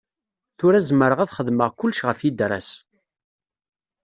Tura zemreɣ ad xedmeɣ kullec ɣef yidra-s.